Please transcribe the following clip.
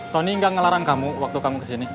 tony enggak ngelarang kamu waktu kamu kesini